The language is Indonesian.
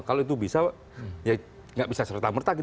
kalau itu bisa ya nggak bisa serta merta kita sebut sebagai